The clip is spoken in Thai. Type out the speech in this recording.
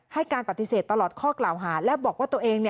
ให้การปฏิเสธตลอดข้อกล่าวหาและบอกว่าตัวเอง